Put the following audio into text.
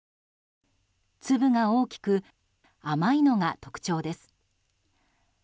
粒が大きく甘いのが特徴です。